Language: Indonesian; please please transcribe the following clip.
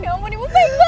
ya allah ibu baik banget